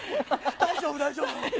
大丈夫、大丈夫。